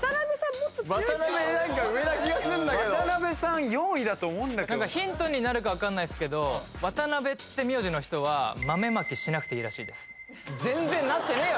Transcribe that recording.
もっと強いと思います渡辺さん４位だと思うんだけどヒントになるかわからないですが渡辺って名字の人は豆まきしなくていいらしいです・全然なってねえよ！